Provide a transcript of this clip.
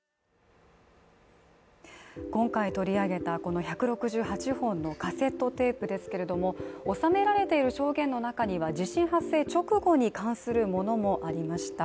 今回取り上げたこの１６８本のカセットテープですけれども、収められている証言の中には、地震発生直後に関するものもありました。